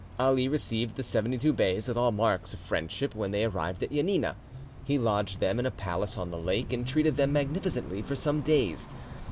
Ali received the seventy two beys with all marks of friendship when they arrived at Janina. He lodged them in a palace on the lake, and treated them magnificently for some days.